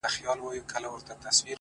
دغه ساغر هغه ساغر هره ورځ نارې وهي’